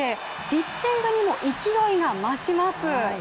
ピッチングにも勢いが増します。